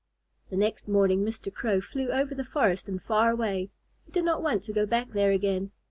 The next morning Mr. Crow flew over the forest and far away. He did not want to go back there again.